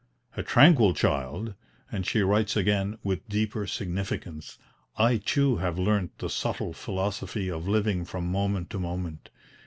A tranquil child!" And she writes again, with deeper significance: "I too have learnt the subtle philosophy of living from moment to moment.